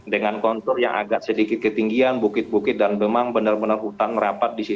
dengan kontur yang agak sedikit ketinggian bukit bukit dan memang benar benar hutan merapat di sini